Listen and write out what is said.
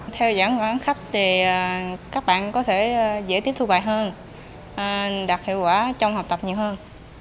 theo giãn khoảng khách thì các bạn có thể dễ tiếp thu bài hơn đạt hiệu quả trong học tập nhiều hơn